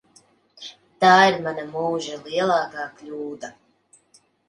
Tā ir mana mūža lielākā kļūda.